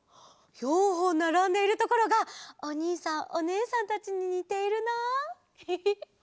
４ほんならんでいるところがおにいさんおねえさんたちににているなフフフ。